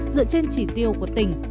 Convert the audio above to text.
dựa trên chỉ tiêu của tỉnh